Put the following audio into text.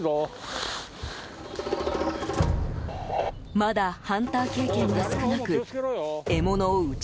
まだハンター経験が少なく獲物を撃ち